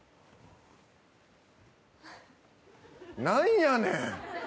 何やねん！